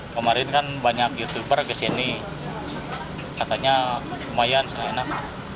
pemarin kan banyak youtuber kesini katanya lumayan enak